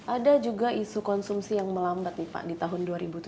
ada juga isu konsumsi yang melambat nih pak di tahun dua ribu tujuh belas